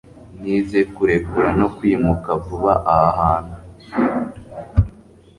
nize kurekura no kwimuka vuba aha hantu